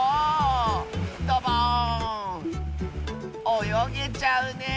およげちゃうねえ！